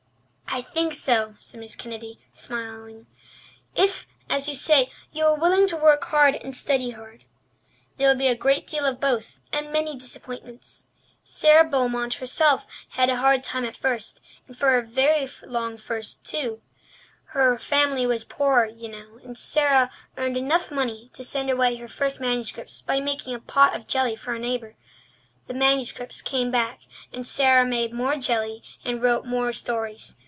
"I think so," said Mrs. Kennedy, smiling, "if, as you say, you are willing to work hard and study hard. There will be a great deal of both and many disappointments. Sara Beaumont herself had a hard time at first—and for a very long first too. Her family was poor, you know, and Sara earned enough money to send away her first manuscripts by making a pot of jelly for a neighbour. The manuscripts came back, and Sara made more jelly and wrote more stories.